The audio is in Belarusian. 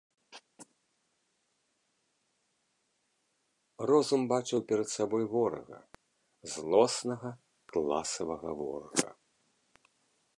Розум бачыў перад сабой ворага, злоснага класавага ворага.